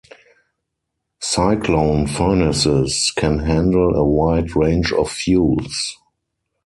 Cyclone Furnaces can handle a wide range of fuels.